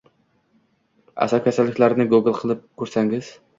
Asab kasalliklarini google qilib ko’rsangiz